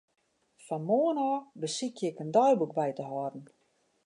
Fan moarn ôf besykje ik in deiboek by te hâlden.